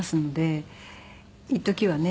一時はね